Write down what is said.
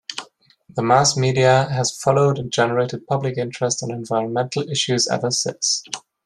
The mass media has followed and generated public interest on environmental issues ever since.